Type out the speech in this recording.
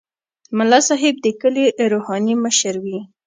ملا صاحب د کلي روحاني مشر وي.